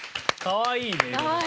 かわいい。